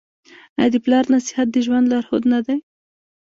آیا د پلار نصیحت د ژوند لارښود نه دی؟